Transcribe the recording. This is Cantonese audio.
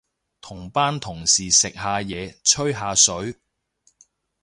同班同事食下嘢，吹下水